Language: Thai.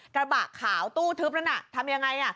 กระบะขาวตู้ทึบนั้นน่ะทำยังไง